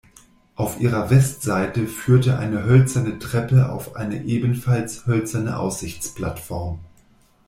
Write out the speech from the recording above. Auf ihrer Westseite führte eine hölzerne Treppe auf eine ebenfalls hölzerne Aussichtsplattform.